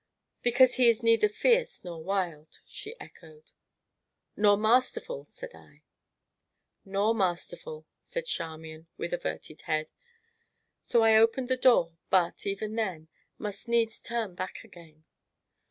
"Because he is neither fierce nor wild," she echoed. "Nor masterful!" said I. "Nor masterful!" said Charmian, with averted head. So I opened the door, but, even then, must needs turn back again.